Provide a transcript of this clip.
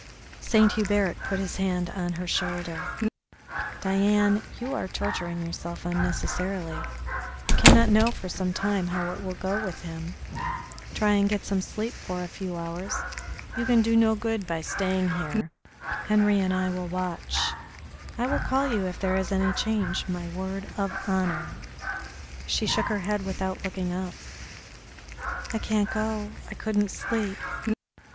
Saint Hubert put his hand on her shoulder. "Diane, you are torturing yourself unnecessarily. We cannot know for some time how it will go with him. Try and get some sleep for a few hours. You can do no good by staying here. Henri and I will watch. I will call you if there is any change, my word of honour." She shook her head without looking up. "I can't go. I couldn't sleep."